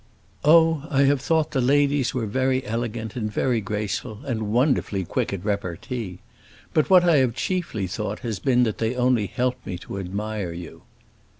"Oh, I have thought the ladies were very elegant and very graceful, and wonderfully quick at repartee. But what I have chiefly thought has been that they only helped me to admire you."